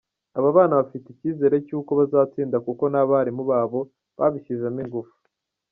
Aba bana bafite ikizere cy’uko bazatsinda kuko n’abarimu babo babishyizemo ingufu.